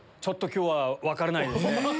今日は分からないですね。